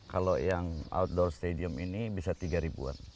kalau yang outdoor stadium ini bisa tiga ribuan